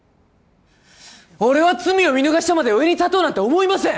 俺は罪を見逃してまで上に立とうなんて思いません！